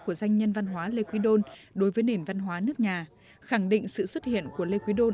của danh nhân văn hóa lê quý đôn đối với nền văn hóa nước nhà khẳng định sự xuất hiện của lê quý đôn